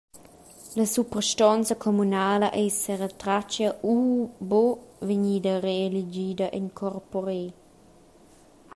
La suprastonza communala ei seretratga u buca vegnida reeligida en corpore.